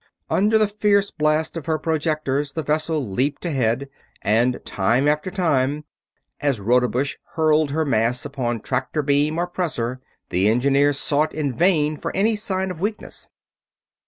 Under the fierce blast of her projectors the vessel leaped ahead, and time after time, as Rodebush hurled her mass upon tractor beam or pressor, the engineers sought in vain for any sign of weakness.